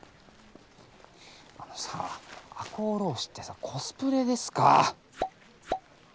あのさあ赤穂浪士ってさコスプレですか！？